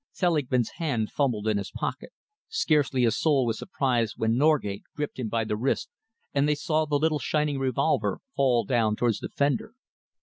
Selingman's hand fumbled in his pocket. Scarcely a soul was surprised when Norgate gripped him by the wrist, and they saw the little shining revolver fall down towards the fender.